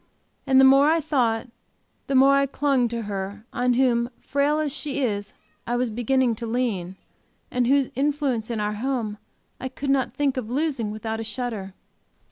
And the more I thought, the more I clung to her, on whom, frail as she is, I was beginning to lean, and whose influence in our home I could not think of losing without a shudder.